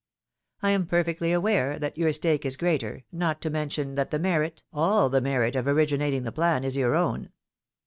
I am perfectly aware that your stake is greater, not to mention that the merit, all the merit, of origi nating the plan is your own.